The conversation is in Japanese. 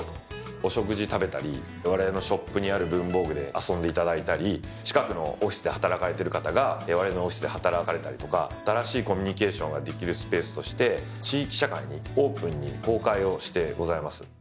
お食事食べたりわれわれのショップにある文房具で遊んでいただいたり近くのオフィスで働かれてる方がわれわれのオフィスで働かれたりとか新しいコミュニケーションができるスペースとして地域社会にオープンに公開をしてございます。